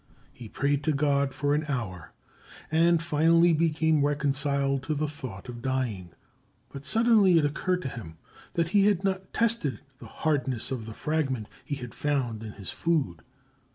He prayed to God for an hour and finally became reconciled to the thought of dying, but suddenly it occurred to him that he had not tested the hardness of the fragment he had found in his food.